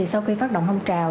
sau khi phát động hông trào